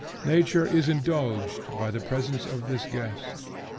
Nature is indulged by the presence of this guest.